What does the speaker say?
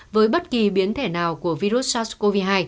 với bất kỳ biến thể nào của virus sars cov hai